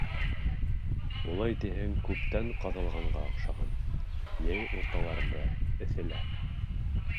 Улай тиһәң, күптән ҡаҙылғанға оҡшаған, йәй урталарында, эҫелә.